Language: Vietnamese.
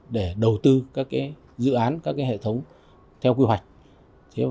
để đầu tư các dự án các hệ thống theo quy hoạch